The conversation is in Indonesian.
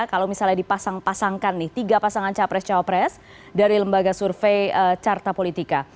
kalau misalnya dipasang pasangkan nih tiga pasangan capres cawapres dari lembaga survei carta politika